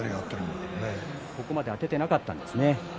ここまで当たっていなかったですね。